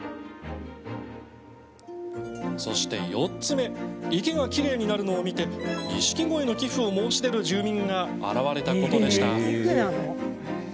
そして４つ目池がきれいになるのを見てにしきごいの寄付を申し出る住民が現れたことでした。